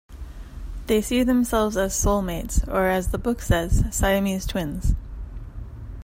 They see themselves as soulmates, or, as the book says, "Siamese twins".